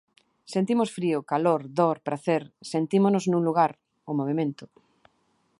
Sentimos frío, calor, dor, pracer, sentímonos nun lugar, o movemento.